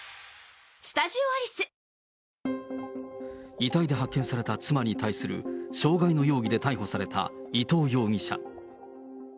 遺体で発見された妻に対する傷害の容疑で逮捕された伊藤容疑者。